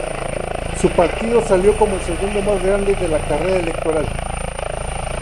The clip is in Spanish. Su partido salió como el segundo más grande en la carrera electoral.